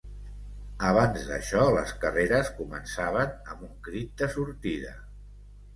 Abans d'això, les carreres començaven amb un crit de sortida.